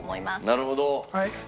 なるほど！